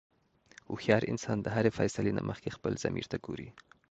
هوښیار انسان د هرې فیصلې نه مخکې خپل ضمیر ته ګوري.